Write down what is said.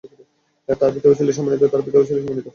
তার পিতাও ছিল সম্মানিত এবং তার পিতাও ছিল সম্মানিত।